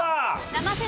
生瀬